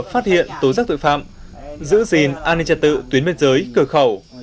phát hiện tố giác tội phạm giữ gìn an ninh trật tự tuyến biên giới cửa khẩu